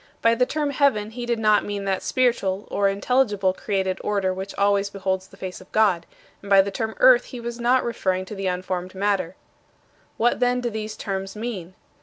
By the term 'heaven' he did not mean that spiritual or intelligible created order which always beholds the face of God. And by the term 'earth' he was not referring to unformed matter." "What then do these terms mean?"